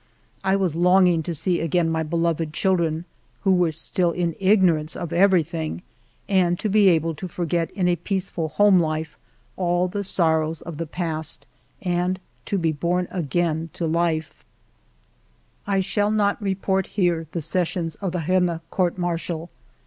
I was longing to see again my beloved children, who were still in ignorance of everything, and to be able to forget in a peaceful home life all the sorrows of the past, and to be born again to life. XII THE RENNES COURT MARTIAL I SHALL not report here the sessions of the Rennes Court Martial.